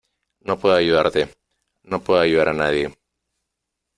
No puedo ayudarte . No puedo ayudar a nadie .